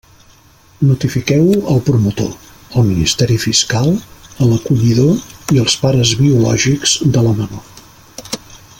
Notifiqueu-ho al promotor, al Ministeri Fiscal, a l'acollidor i als pares biològics de la menor.